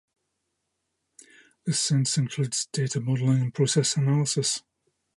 This sense includes data modeling and process analysis.